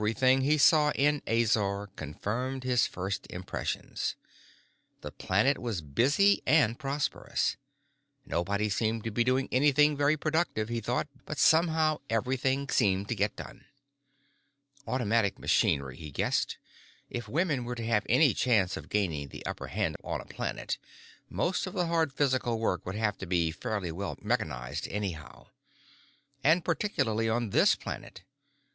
Everything he saw in Azor confirmed his first impressions. The planet was busy and prosperous. Nobody seemed to be doing anything very productive, he thought, but somehow everything seemed to get done. Automatic machinery, he guessed; if women were to have any chance of gaining the upper hand on a planet, most of the hard physical work would have to be fairly well mechanized anyhow. And particularly on this planet.